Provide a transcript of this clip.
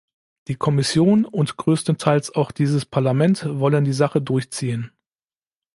Die Kommission und größtenteils auch dieses Parlament wollen die Sache durchziehen.